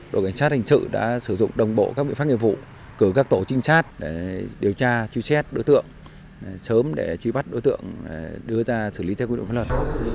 đội cảnh sát hình sự đã sử dụng đồng bộ các biện pháp nghiệp vụ cử các tổ trinh sát để điều tra truy xét đối tượng sớm để truy bắt đối tượng đưa ra xử lý theo quy định pháp luật